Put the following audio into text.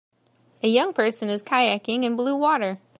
A young person is kayaking in blue water.